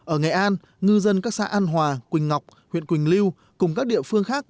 ở nghệ an ngư dân các xã an hòa quỳnh ngọc huyện quỳnh lưu cùng các địa phương khác